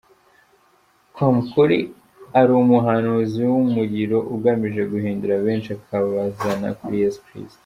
com ko ari umuhanuzi w’umuriro ugamije guhindura benshi akabazana kuri Yesu Kristo.